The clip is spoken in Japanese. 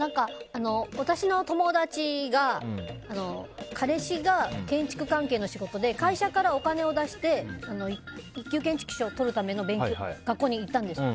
私の友達が彼氏が建築関係の仕事で会社からお金を出して１級建築士をとるために学校に行ったんですよ。